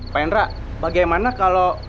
pak hendra bagaimana kalau